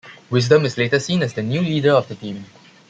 Wisdom is later seen as the new leader of the team.